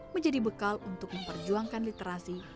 menjadi bekal untuk memperjuangkan literasi